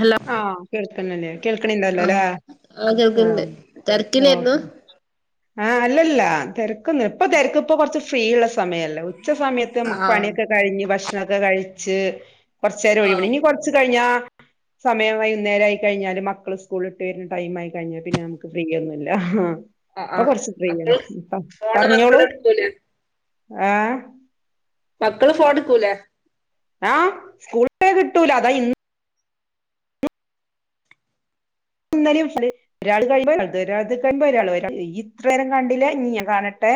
Hello ആഹ് കേൾക്കണല്ലേ കേൾക്കണന്താല്ല അല്ല ആഹ് ആഹ് കേക്കണ്ട് തിരക്കിലായിരുന്നു ആ അല്ല തിരക്കന്ന് ഇപ്പൊ തിരക്ക് ഇപ്പൊ കുറച്ച് ഫ്രീ ഉള്ള സ സമയല്ല ഉച്ച സമയത്ത് നമുക്ക് പണിയൊക്കെ കഴിഞ്ഞ് ഭക്ഷണം ഒക്കെ കഴിച്ച് കുറചേരം ഒഴിവണ് ഇനി കുറച്ച് കഴിഞ്ഞാ സമയം വൈകുന്നേര ആമായി കഴിഞ്ഞാലും മക്കള് സ്കൂൾ ഇട്ട് വരുന്ന ടൈം ആയി കഴിാൽ പിന്നെ നമുക്ക് ഫ്രീയ ഒന്നുമ ഇ ആഹ് ഇപ്പൊ ആഹ് കൊറച്ച ഫ്രീയാണ് മക്കള് ഫോണ് മക്കള് പറഞ്ഞോളൂ എടുക്കൂലേ ആഹ മക്കള് ഫോടിക്കൂലെ ആഹ് സ്കൂളേ കിട്ടൂല അതാ ഇന്ന് ഒന്നും ഒരാൾ കഴ്പോ ഒരാൾ കഴ്പ ഒരാ ഇത്ര നേരം കണ്ടില്ല നി ഞാൻ കാണട്ടെ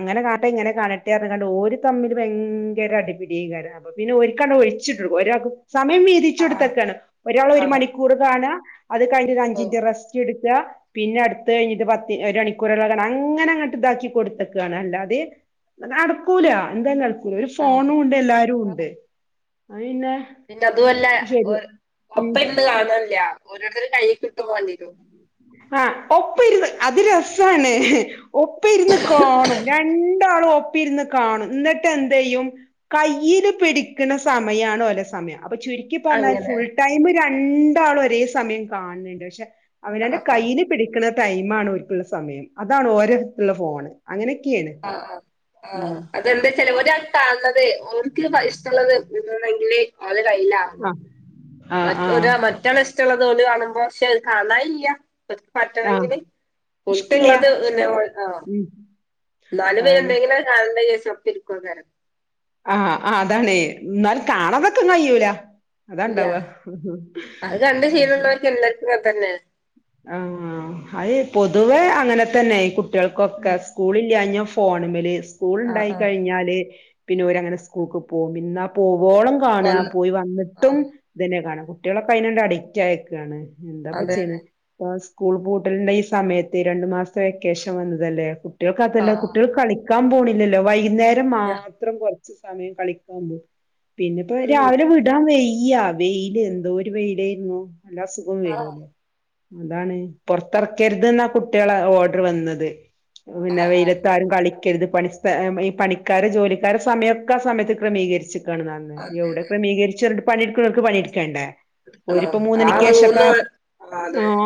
അങ്ങനെ കാട്ട ഇങ്ങനെ കാണട്ടറാണ്ട് ഒരു തമ്മിൽ ഭയങ്കര അടിപിടി അ പിന്നെ ഒരു ഒഴിച്ചിട്ട ഒരാകും സമയം വീതിച്ചു ആഹ് കൊടുത്തക്കാണ് ഒരാൾ ഒരു ആഹ് മണിക്കൂർ കാണുക അത് കഴിഞ്ഞ ഒരു ഓഹ് അഞ്ചിനിറ്റ് റെസ്റ്റ് എടു ക്കാ പിന്നെ അടുത്ത് കഴിഞ്ഞ ഇത് പത്തി ഒരു മണിക്കൂർള്ള കാ അങ്ങനെ അങ്ങോട്ട് ഇതാക്കി കൊടുത്തക്കുകയാണ് അല്ലാതെ അ നടക്കൂല എന്തായാലും നടുക്കൂല ഒരു ആഹ് ഫോണും ഉണ്ട് എല്ലാരും ഉണ്ട് അത് പിന്നെ പിന്നെ അതുമല്ല ശരി ഒപ്പ ഉം എ കാണാനില്ല ഓരോരുത്തും കൈയിൽ കിട്ടു വണ്ടിയേറും ആഹ് ഒപ്പ ഇരു അത് രസാണ് ഒപ്പ ഇരുന്ന് കാണും രണ്ടാളും പ്പരാന്ന് കാണും എന്നിട്ട് എന്ത ചെയ്യും കയ്ൽ പിടിക്കുന്ന സമയാണ് ഓലെ സമയം അപ്പൊ ചുരുക്കി പറഞ്ഞാല് അങ്ങനെ ഫുൾ ടൈം രണ്ടാളും ഒരേ സമയം കാണുന്നുണ്ട് പക്ഷെ ആഹ് അവനന്റെ ആഹ് കയ്യിന് പിടിക്കുന്ന ടൈമാണ് ഒരിക്കലുള്ള സമയം അതാണ് ഓരോുള്ള ഫോണ് അങ്ങനെ ആഹ് ആ് ആഹ അതെന്താ ചില ഒട്ടാണത് ഓർക്ക് ഷ്ടുള്ളത് എന്നന്നെങ്കില് അവത് കയ്യില ആകോ ആഹ് മറ്റ ആഹ് ഒ ആഹ് മറ്റള ഇഷ്ടമുള്ളത് പോല കാണുമ്പോ പക്ഷെത് കാണല്ല ഒതുക്ക ആഹ് പറ്റണമെങ്കില് ഇഷ്ടല്ല കൊതുക്കള്ളത് പിന്നെ ആ ഉം നല് അതാണ് പേരുണ്ടെങ്കിലിൽ കാസപ്പ ഇരിക്ക തരം ആഹ് ആ അതാണെ എന്നാൽ കാണാതൊക്കെ കഴ്യൂല ഇല്ല അതാണ്ടാവ അത് കണ്ട് ശ ശീലള്ളോർക്ക് എല്ലാർക്കും ഇങ്ങനെ തന്നെ ആഹ് അത പൊതുവെ അങ്ങനെ തന്നെ കു കുട്ടികൾക്കൊക്കെ ഉം സ്കൂളല്ലഞ്ഞ ഫോ മല് സ്കൂൾ ആ ഉണ്ടായി ആ കഴിഞ്ഞാല് പിന്നെ ഓരങ്ങനെ സ്കൂക്ക് പോം പിന്നാ ഓ, പോവോളം കാണ്ആ വന്ന് പോയി ആ വന്നിട്ടും ഇതന്നെയാ കാണാ കുട്ടികളൊക്കെ അതിനോണ്ട് അഡിക്റ്റ് ആയേക്കാണ് എന്താ പ അതെ ചെയ്ന്നെ പ സ്കൂൾ പൂട്ടലിന്റെ ഈ സമയത്ത് രണ്ടു മാസ്തെ വെക്കേഷൻ വന്നതല്ലേ അതെ കുട്ടികൾക്കതല്ല ആ കുട്ടികൾ കളിക്കാൻ പോണില്ലല്ലോ വൈകുന്നേരം ഇല്ല മാത്രം കൊറ ച്ച്സമയം കളിക്കാൻ പോം പിന്നിപ്പോ ഉം രാവിലെ വിടാൻ വെയ് ഈ അവേയില് എന്തോരു വെയിലായിരുന്നു വല്ലാസുഖം ആ വരൂലേ ന്താണ് പൊറത്തെറക്കരുതുന്നാ കുട്ടികളെ ഓർഡർ വന്നത് ആ പിന്നെ ആ വെയിലത്താരും കളി ക്കരുത് പണിസ്ഥ ഈ പണിക്കാരെ ജോലിക്കാരെ സമയൊക്കെ ആ സമയത്ത് ക്രമീകരിച്ചു കാണ്ന്നാന്ന് അതെ എവിടെ അതെ ക്രമീകരിച്ചു എന്ന്ട്ട് പണിയെടുക്കുണോർക്ക് പണിയെടുക്കേണ്ടേ ആണോ ഓരിപ്പം ആ മൂന്നണിക്കേഷൊക്കെ മൂന്ന് വ- ആ അതെ ആആ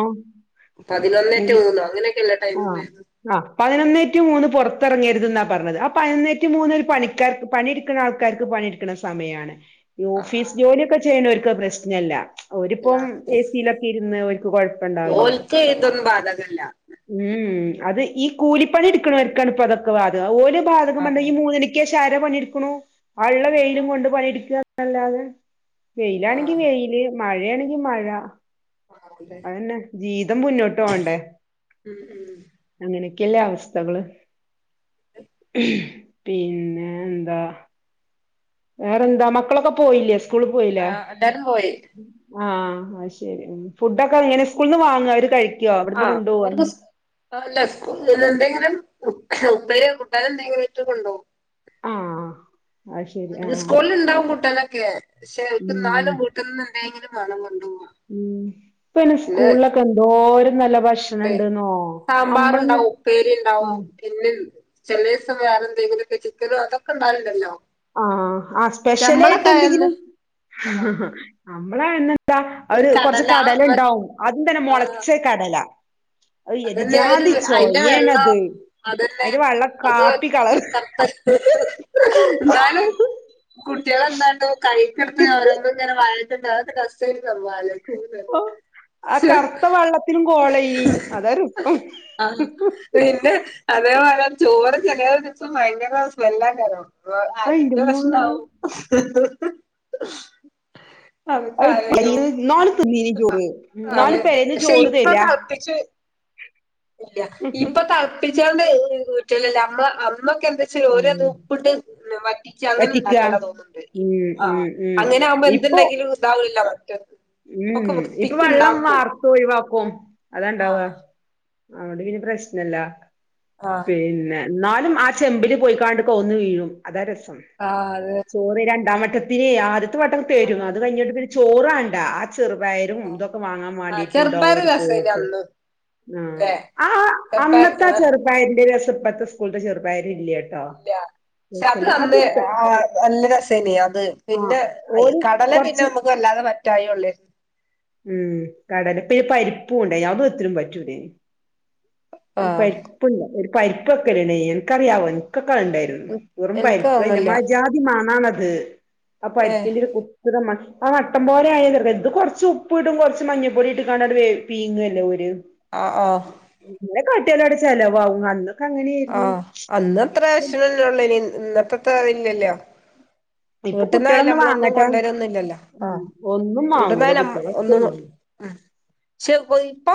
പതിനൊന്നേ ടു മൂന്നോ അങ്ങനെയൊക്കെയല്ലേ ടൈം ആ ഉണ്ടായിരുന്നെ ആ പതിനൊന്നേ റ്റൂ മൂന്ന് പൊറത്തെറങ്ങരുതൂന്നാ പറഞ്ഞത് ആ പതിനൊന്നേറ്റൂ മൂന്ന് ഒരു പണിക്കാർക്ക് പണിയെടുക്കണ ആൾക്കാർക്ക് പ പണിയെടുക്കണ സമയാണ് ഈ ആ ആ ഓഫീസ് ജോലിയൊക്കെ ചെയ്യണവര്ക്ക് പ്രശ്നല്ല ഇല്ല ഓരിപ്പം ഏസിലൊക്കെ ഇരുന്ന് കൊഴപ്പണ്ടാവില്ല്യാ ഓൽക്ക് ഇതൊന്നും ബാധകല്ല ഊം അത് ഈ കൂലിപ്പണി എടുക്കണവര്ക്കാണ് ഇപ്പൊ അതൊക്കെ ബാധകം ഓല് ആ ബാധകംപർഞ്ഞാ ആ ഈ മൂന്നരക്കേഷ ജാരാ പണിയെടുക്കുണു ഒള്ള വെയിലും കൊണ്ട് പണിയെടുക്കാന്നല്ലാതെ ആ വെയിലാണെങ്കി വെയില് മഴയാണെങ്കി മഴ ആ, അതെ അതന്നെ ജീവിതം മുന്നോട്ട് പോണ്ടേ ഉം ഉം അങ്ങനെ ലെ അവസ്ഥകള് പിന്നെ ന്താ വേറെന്താ മക്കളൊക്കെ പോയില്ലേ സ് ആഹ് എല്ലാരും പോയി ആഹ് ശെരി ഫുഡൊക്കെങ്ങനെ സ്കൂൾന്ന് വാങ്ങാ അവര് കഴി ആ ഒരുദുസ് ല്ല സ്കു ഇല്ലെന്തെങ്കിലും ഉപ് ഉപ്പേരി കൂട്ടാനെന്തെങ്കിലുംഇട്ട് കൊണ്ടോവും ആഹ് അത് ശരി ആഹ് സ്കൂളില്ണ്ടാവും കൂട്ടാനൊക്കെ പക്ഷെ ഉം ഇവര്ക്ക്ന്നാലും വീട്ട്ന്നെന്തേങ്കിലും വേണം കൊണ്ടോവാൻ ഉം ഇപ്പയ്ന് സ്കൂൾലൊക്കെ എന്തോരം നല്ല ണ്ട് ഭക്ഷണണ്ട്ന്നോ നമ്മളൊന്നും സാമ്പാറൊണ്ടാവും, ഉപ്പേരി ഇണ്ടാവും, ആഹ് പിന്നെ ചെലേസം വേറെ എ ന്തെങ്കിലൊക്കെ ചിക്കനോ അതൊക്കെ ണ്ടാവൽണ്ടല്ലോ ആഹ് ആ സ്പെഷ്യലായിട്ട് ആയന്ന് എന്തെങ്കിലും ആഹ് നമ്മള് ന്നെ ദ്ദാ ഒരു അവര് കൊറച്ച് കടല മ ഇണ്ടാവും അതിതന്നെ ആഹ് മൊളച്ച കടല അയ് എന്ത് അതന്നെ ഒരു ജാതി അയിന്റെ വെള്ളം ചൊയേണത് അതന്നേ അയിന്റെ വെള്ളം അത് കാപ്പി കളർ കത്തല് ന്നാലും കുട്ടികളെന്താണ്ടോ കൈക്കെടുത്ത് അവരത്ഇങ്ങനെ വായ് പിന്നെ അതൊക്കെ ടസ്റ്റ് ബിന്നിലെന്നാലും ഓ ആ കറുത്ത വെള്ളത്തിലും കോളയ്നി അതാര ആ പിന്നെ അതെ തെപോലെ ചോറ് ചെലേദിവസം ഭയങ്കര സ്മെല്ലായ്ക്കാരം അപ്പൊ ആരീന്റെ അയിന്റെമ്മാ പ്രശ്നാവും അതിപ്പ അത് ആരജ്ജു ഇന്നാള് തിന്നീനി ത്ആ ചോറ് ഇന്നാള് അതെ പെരേന്ന് പക്ഷെ ചോറ് ഇപ്പ തരാ തൾപ്പിച്ച് ഇല്ലാ ഇപ്പൊ തൾപ്പിച്ചാണ്ട് കുറ്റലല്ലാ അമ്മ അ മ്മക്കെന്ത് ചൂരാത് ഉം പ്പ്ട്ട് ന് വറ്റിച്ച് വറ്റിക്ക അങ്ങന്ണ്ടാക്കല്ലാ തോന്നുന്ന്ണ്ട് ഉം ആഹ് ഉം ഉം അങ്ങനെ ആവുമ്പോ എന്തുണ്ടെങ്കിലും ഇതാവില്ല മറ്റത് ഊം ഒക്കെ ഇപ്പൊ വൃത്തിക്ക് വെള്ളം ഇണ്ടാക്കും വർത്തൊഴിവാക്കും അതാണ്ടാവ ആഹ് അതോണ്ട് പിന്നെ പ്രശ്നല്ല ആഹ് പിന്നെ എന്നാലും ആ ചെമ്പില് പോയിക്കാണ്ട്കോന്നു വീഴും അതാ രസം ആഹ് അതെ ചോറ് രണ്ടാമ ക്കത്തില് ആദ്യത്തെ വട്ടം ആഹ് പേരുംന്നത് കഴിഞ്ഞിട്ട് പിന്നെ ചോറ്ആണ്ടാ ചെറുപയർ ആഹ് ഇതൊക്കെ വാങ്ങാൻ ആഹ് വേണ്ടിട്ടുണ്ടാവ ചെറുപ്പയറ് ഒരു രസേനി പോക്ക് അന്ന് ല്ലേ ആ ആ ചെറുപ്പയറ് അന്നത്തെ ആ ആഹ് ചെറുപ്പായിന്റെ രസം ഇപ്പോഴത്തെ സ്കൂളിന്റെ ചെറുപ ട്ടോ ഇല്ല പക്ഷെ അത് നന്ന് നല്ല രസേന അത് ആ പിന്നെ അയ് ഓര് കടല പിന്നെ കൊറച്ച് നമുക്ക് വല്ലാ അ പറ്റായള്ളേ ഉം കടല ഇപ്പ പരിപ്പൂ ഉണ്ട [unintelligible] പറ്റൂല ഒരു ആഹ് പരിപ്പല്ല ഒരു പരിപ്പക്കണ എനക്ക്റിയാവോ എനിക്ക ഉണ്ടായിരുന്നു ഉറുമ്പരിക്കോ ഇൻക്കതൊന്നുല്ല ന്റമ്മാ ജ്ജാതി മണാണത്. ഏഹ് [unintelligible] വട്ടം പോലെ ആയ ത എന്ത് കൊറച്ച ഉപ്പ ഇടും കുറച്ച് മഞ്ഞൾപ്പൊടി ഇട്ട് [unintelligible] ആ ആ [unintelligible] ചെലവ് [unintelligible] ആഹ് അന്നത്ര ഇന്നത്തെത്ര ഇല്ലല്ലോ. ഇപ്പൊ വീട്ടിന്നായാലും കുട്ടികളൊന്നും നമ്മളൊന്നും വാങ്ങട്ടെ കൊണ്ടുവരൊന്നുല്ലല്ലോ ആ ഉം ഒന്നും വാങ്ങൂല ഇടുന്നായാലും കുട്ടികള് ഒറ്റ ന ഒന്നും വാങ്ങൂല ആ ആ ച് പ്പ് ഇപ്പോ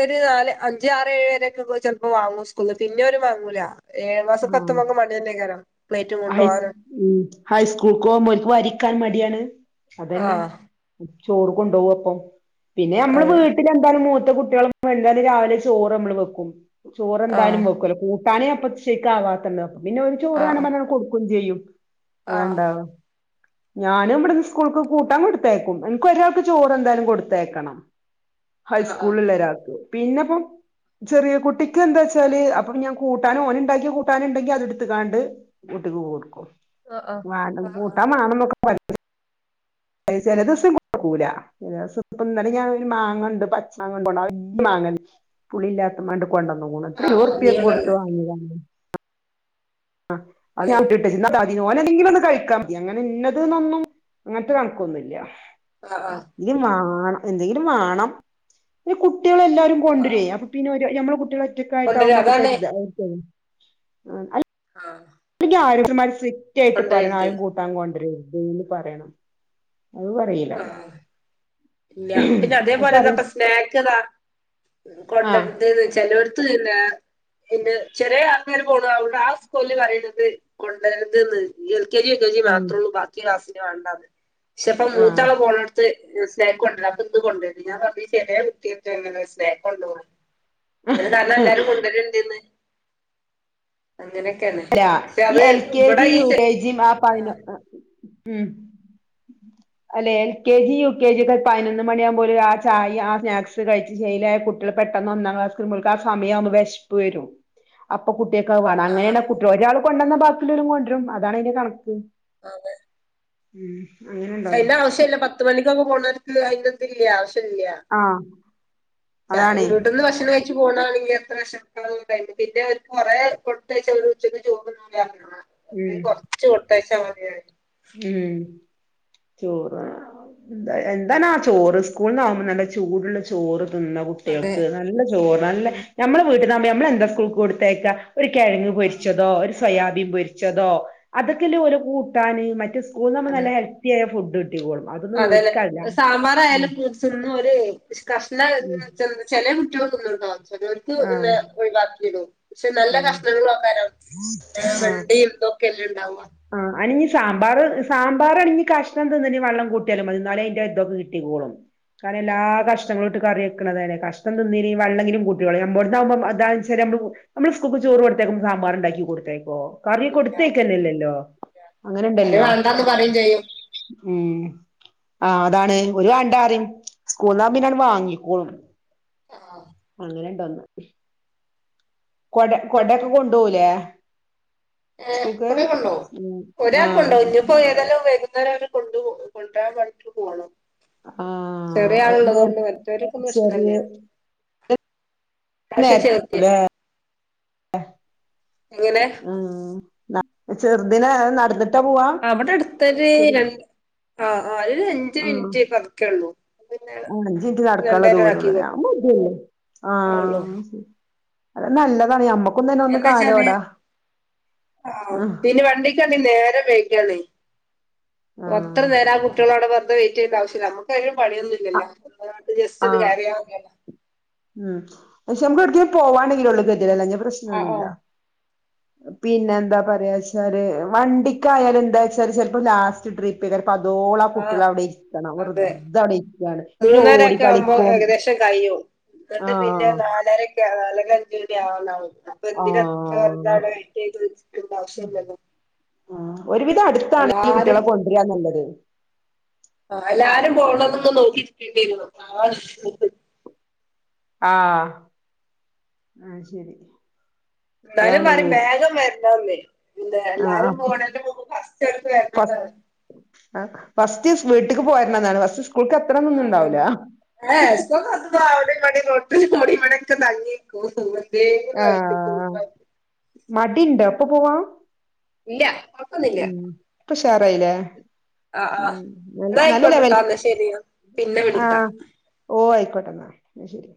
ഒരു നാല് അഞ്ച് ആറ് ഏഴ് വരൊക്കെ ചിലപ്പോ വാങ്ങും സ്കൂള് ഇനി മാങ്ങൂല ഏഴു മാസം [unintelligible] ഹൈസ് ഉം ഹൈസ്കൂളിക്ക് പോകുമ്പോ നിക്ക് വരിക്കാൻ മടിയാണ്? അതന്നെ ആഹ് ചോറ് കൊണ്ടുപോവപ്പം പിന്നെ അമ്മള് അതെ വീട്ടില [unintelligible] [unintelligible] രാവിലെ ചോറനമ്മള് വെക്കും ചോറെന്തായാലും ആഹ് വെക്കൂല്ല കൂ പണി അപ്പ ശേക്ക് ആവാത്തത്പ്പൊ പിന്നെ ചോറ് വേണ ആഹ് പറഞ്ഞ് കൊടുക്കയും ചെയ്യും. ആഹ് അതണ്ടാവോ ഞാനും ഇവിടന്ന് സ്കൂൾക്ക് കൂട്ടാൻ കൊടുത്തേക്കും. എനിക്ക് ഒരാക്ക് ചോറ് എന്തായാലും കൊടുത്തേക്കണം. ആഹ് ആഹ് ഹൈസ്കൂളള്ള ഒരാക്ക് പിന്നെപ്പം ചെറിയ കുട്ടിക്ക് എന്താച്ചാല് അപ്പൊ ഞാൻ കൂട്ടാൻ ഓന്ണ്ടാക്കി കൂട്ടാന ഉണ്ടെങ്കി അതെടുത്തക്കാണ്ട് [unintelligible] ആഹ് ആഹ് ആഹ് ആഹ് കൂട്ടാൻ വേണ എന്നൊക്കെ പറ ചില ദിവസം കൊഴക്കൂല ചില ദിവസം ഇപ്പ ഇന്നാലെ ഞൻ ഒരു മാങ്ങ ഉണ്ട് പച്ച മാങ്ങ [unintelligible] പുളില്ലാത്ത മാങ്ങാണ്ട് കൊണ്ടെന്ന് ഇരുപത് ആഹ് റുപ്യ നീ ഇവിടെള്ളെ കൊടുത്തവാങ്ങ ആഹ് അത് ഏഹ് [unintelligible] ഓനെന്തെങ്കിലും ഒന്ന് കഴിക്കാം അങ്ങനെ ഇന്നത് ന്നൊന്നും അങ്ങനത്തെ കണക്കൊന്നുല്ല്യ. ആഹ് വാണം എന്തെങ്കിലും വാണം ഒര് കു കുട്ടികളെല്ലരും ആഹ് കൊണ്ടുരെ ആഹ് അപ്പ പിന്നെ ഞമ്മള കുട്ടികൾ കൊണ്ടരും ഒറ്റക്കായിട്ടാവുമ്പോ അതാണ് നമക്കോരിതാ ആഹ് അ ആഹ് [unintelligible] സ്ട്രിറ്റ് ആയിട്ട് പറയണം കൊണ്ടരരുത് ആരും കൂട്ടാൻ കൊണ്ടര ഇന്ന് പറയണം. അത് ആഹ് [unintelligible] ഇല്ല പിന്നെ അത് അതേപോലൊ പറയും ദാപ്പ സ്നാക്ക്ദാ [unintelligible] ആ [unintelligible] എന്റെ ചെറിയ ആൾക്കാര് പോണ് [unintelligible] ആസ്കൂല് പറയണത് [unintelligible] കെജി യുകെജി ഉം മാത്രോള്ളു ബാക്കി ക്ലാസിനി വേണ്ടാന്ന് പക്ഷെപ്പ ആ മൂത്താള പോണട്ത്ത് [unintelligible] അത് കാരണം എല്ലാരും കൊണ്ടുവരണ്ട്ന്ന് ല്ല പക്ഷെ ഈ അത് എൽ കെ ഇവിടെ ജി, ഈ യു കെ ജിയും ആ പതിനൊ ആഹ് ഉം [unintelligible] അല്ലെ L K G U K G ഒക്കെ പതിനൊന്ന് മണിയകുമ്പോല ആ ചായ ആ സ്നാക്സ് കഴിച്ച് ശേലായ കുട്ടികൾ പെ പെട്ടന്ന് ഒന്നാം ക്ലാസ് മക്ക ആ സമയമാകുമ്പോ വെശപ്പ് വരും. അപ്പൊ കുട്ടികൾക്ക് അത് വേണം. ആഹ് അങ്ങന ഒയാൾ കൊണ്ടന്ന ബാക്കിയുള്ള കൊണ്ടരും അതാണ് അതിന്റെ കണക്ക്. അതെ ഉം അങ്ങനെ പക്ഷെ ഉണ്ടാവുന്നെ അന്റെ ആവശ്യല്ല പത്ത് മണിക്കൊക്കെ [unintelligible] ല്ല. ആ ക അതാണേ ഇവിടെന്ന് ഭക്ഷണം കഴ്ച്ചു പോന്നാ മതി. ത്ര വർഷം തെക്കെ കഴ്ഞ്ഞു. പിന്നെരു കൊറെ കൊട്ത്തയ്ച്ച ഓല് ഉച്ചക്ക് ചോറുന്നൂല്ലാ ആ ഉം കൊറ്ച്ച് കൊട്ത്തയ്ച്ചാ മതി അറിം ഉം ചോറ് എന്താ എന്താനാ ചോറ്. സ്കൂളിന്നാമ്പോ നല്ല ചൂടൊള്ള ചോറും. നിന്ന അതെ കുട്ടികൾക്ക് നല്ല ചോറ്. നല്ലെ ഉം നമ്മെളെ വീട്ടിനാമ്പോ നമ്മളെന്തക്കെയാ കൊടുത്തയ്ക്ക. ഒരു കിഴങ്ങ് ആഹ് പൊരിച്ചതോ, ഒരു ആഹ് സോയാബീൻ പൊരിച്ചതോ, അതൊക്കെല്ലേയോരോ കൂട്ടാന് മറ്റ് സ ഇവെടെന്ന് തന്നെ നല്ലേ ഹെൽത്തിയായ ഫുഡ്. കിട്ടിക്കോളും അതൊന്നും ഓര്ക്കല്ല അതെന്നേ ഉം സാമ്പാറായാലുംതിനൊല് ഈ ഉം കഷണയെന്ന് ചെല കുട്ടികൾ തിന്നുട്ടോ. ചെലോർക് ആഹ് പിന്നെ ഒഴിവാക്കിടും. പക്ഷെ നല്ല ആഹ് കഷ്ണങ്ങളൊക്കെനാവും ആഹ് വെണ്ടയും ഇതൊക്കെയല്ലേയുണ്ടാവു. ആ അനിനി സാമ്പാറ്. സാമ്പാറണിഞ്ഞ് കഷ്ണം തിന്നിനി വെള്ളം കൂട്ടിയാലും മതിന്നാലേയിതിന്റെതിതൊക്കെ കിട്ടിക്കോളും. കാരണം എല്ലാ കഷ്ണങ്ങളിട്ട് കറിവെക്കെണതല്ലേ. കഷ്ണം തിന്നില്ലായെങ്കിലും വെള്ളവെങ്കിലും കൂട്ടികളയും. നമ്മെടെന്നാമ്പ അതനുസര ട് നമ്മള് സ്കൂളേക്ക് ചോറ് കൊടുത്തേക്കും സാമ്പാറൊണ്ടാക്കി കൊടുത്തേക്കോ. കറി കൊടുത്തയക്കേല്ലല്ലോ. അത് വേണ്ടാന്ന് പറയേം ചെയ്യും. ഉം ആ അതാണ്. ഒര് വേണ്ടാ റയും സ്കൂൾന്നാമ്പോത് വാങ്ങിക്കോളും. ആഹ് അങ്ങെനെ ഇണ്ടൊന്ന് കൊട കൊടയെക്കെ കൊണ്ടുപോലേ? ഏ കൊടയെക്കെ കൊണ്ട് പോമോ? ആ ഒരാക്കൊണ്ട്പോം. ഇതിപ്പോ ഏതെല്ലാം വെരും. അന്നേരം അവെര് കൊണ്ടുപോം. കൊണ്ടെരാൻ വൈക്ട്ട് പോണെം. ആ ചെറിയ ആളുള്ളതുകൊണ്ട് മറ്റവരിക്കൊന്നും നേർച്ചെറിയ ഇഷ്ടെല്യാ. കഷെ നേരത്തെ ചെർക്കെ. [unintelligible] എങ്ങനെ? ന്ന ചെറുദിനെ അത് നടന്നിട്ട് അവെടെടുത്തൊരു രണ്ട് ആഹ് ആഹ് ഒരഞ്ചമിനിറ്റ് പതുക്കേള്ളൂ. അഞ്ചിറ്റ് നടെക്കാനൊള്ള ദൂരോള്ളേ. ഞാപ്പോയിട്ട് വെരും. കൊടുക്കുള്ളൂ ആം ശെരി. അത് നല്ലെതാണ് നമ്മെക്കും എന്നെച്ചാല് ആഹ് പിന്നെ വണ്ടിക്ക് വന്നില്ലേ. ഏരെ പോയ് അത്ര ആഹ് നേരം ആ കുട്ടികളവിടെ വെറുതെ വെയ്റ്റ് ചെയ്യേണ്ടാവശ്യമില്ല. നമ്മെക്കൊരു പണിയൊന്നും ഇല്ലല്ലോ ആഹ് അതുകൊണ്ട് ജസ്റ്റൊന്ന് ആഹ് കേറിയാ മതിയല്ലോ. ഉം പക്ഷെ നമ്മുക്കവിടേക്ക് പോവാണെങ്കിലൊള്ളൂ. ഗതി വലഞ്ഞ ആഹ് പ്രശ്നോന്നുമില്ല. ആഹ് പിന്നെ എന്താ പറയാെച്ചാല്, വണ്ടിക്കായാലും എന്താ വെച്ചാല് ചെലപ്പോ ലാസ്റ്റ് ട്രിപ്പേകാരം അതോളം ആ ആഹ് കുട്ടികളവിടെ ഇരിക്കാണ്. അതെ വെറ്തെ അവെടെയിരിക്കയാണ്. പിന്നെ ഓടി മൂന്നരൊക്കെ ആവുമ്പോ കളിക്കും. ഏകദേശം കഴിയും എന്നിട്ട് പിന്നെ ആഹ് നാലെരെക്കാ. നാലെരയഞ്ച് മണിയാവുന്നവെര്. അപ്പൊ ആഹ് എന്തിനൊക്കെന്താണ് വെറുതെവിടെവൈയിററ് ഇരിക്കേണ്ടാവശ്യല്ലല്ലോ. ഉം ഒരുവിധം അടുത്താണ് ഈ കുട്ടികളെ കൊണ്ടുവരാ നല്ലെത്. ആഹ് എല്ലാരും പോണോ നിങ്ങെനെ നോക്കിരിക്കേയും ചെയ്യുന്നത്. അതാണ് ഹു ഹു ആഹ് അത് ശെരി എന്താലും വരും. വേഗം വെരണോന്നേ. പിന്നെ എല്ലാരും പോണല്ലും മുമ്പ് ഫസ്റ്റെടുത്ത് കഴിഞ്ഞാ യക്ക് ഫസ്റ്റിസ് വീട്ടക്ക് പോയിരുന്നാണ് ഫസിസ്. ആ അതാണ്. എ എസ്തെക്ക് പത്തും രാവിലെ. ഒരു കൊട്ട് കുമ്മടി മണക്കതങിനികും കോട്ടുണ്ട്. ആഹ് മടി ണ്ടോഎപ്പൊ പോവാം ഇല്ല നക്കുന്നില്ല ഇപ്പഷാറായില്ലേ? ഉം ഓ നല്ല ന്നാ നല്ല ലെവൽ ആയിക്കോട്ടെട്ടോ ന്നാ ശരി ഞാൻ പിന്നെ വിളിക്കാം ആഹ് ഓവായ്. പെട്ടെന്നായെന്നാ ശെരി